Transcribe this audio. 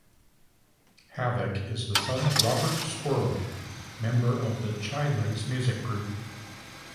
Havoc is the son of Robert Squirell, member of The Chi-Lites music group.